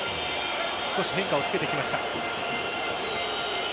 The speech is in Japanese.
少し変化をつけてきました。